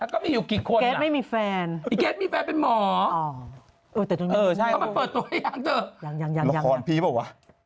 ก็มีอยู่กี่คนล่ะไอ้เก๊ดมีแฟนเป็นหมอมาเปิดตัวอย่างเถอะละครพรีบหรือเปล่าวะ